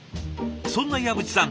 そんな岩渕さん